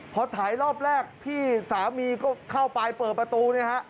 พอถ่ายรอบแรกพี่สามีก็เข้าไปเปิดประตูเนี่ยฮะ